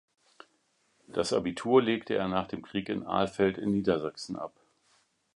Das Abitur legte er nach dem Krieg in Alfeld in Niedersachsen ab.